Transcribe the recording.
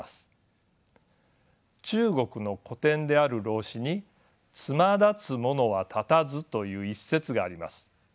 中国の古典である老子に「つまだつ者は立たず」という一節があります。